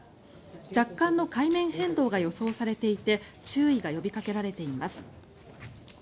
若干の海面変動が予想されていて注意が呼びかけられています。